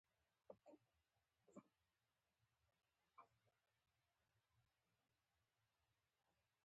ایا زما چلند ښه و؟